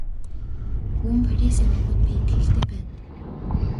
Гүн Парис яваагүйд би итгэлтэй байна.